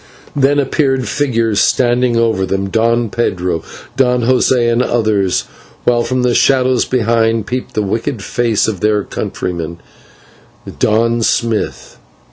Then appeared figures standing over them, Don Pedro, Don José, and others, while from the shadows behind peeped the wicked face of their countryman, Don Smith.